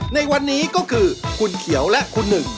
ในวันนี้ก็คือคุณเขียวและคุณหนึ่ง